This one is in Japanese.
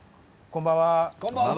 こんばんは。